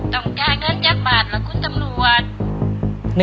ต้องแจ้เงินแยกบาทเหรอคุณสำรวจ